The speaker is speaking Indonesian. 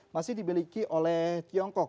masih dibeliki oleh tiongkok